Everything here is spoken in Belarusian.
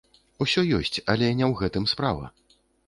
Усё ёсць, але не ў гэтым справа.